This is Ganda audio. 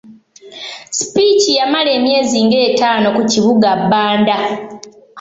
Speke yamala emyezi ng'etaano ku kibuga Bbanda.